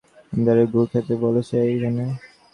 আমাদের গু খেতে বলেছে, এই জন্যে?